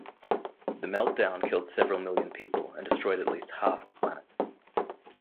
The meltdown killed several million people and destroyed at least half the planet.